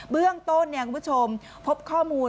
เบื้องต้นคุณผู้ชมพบข้อมูล